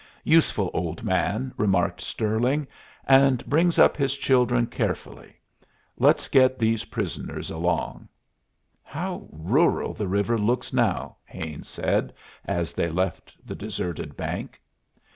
"Useful old man," remarked Stirling; "and brings up his children carefully. Let's get these prisoners along." "How rural the river looks now!" Haines said, as they left the deserted bank.